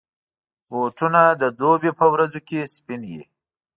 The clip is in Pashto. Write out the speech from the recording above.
بوټونه د دوبي پر ورځو کې سپین وي.